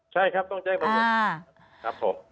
ใช่ครับต้องแจ้งทั้งหมด